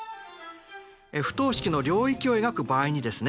不等式の領域を描く場合にですね